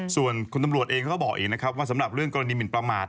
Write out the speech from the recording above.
ส่วนคุณตำรวจเองเขาก็บอกอีกนะครับว่าสำหรับเรื่องกรณีหมินประมาท